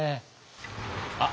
あっ！